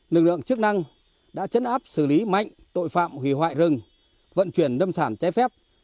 lực lượng chức năng đã chấn áp xử lý mạnh tội phạm hủy hoại rừng vận chuyển lâm sản trái phép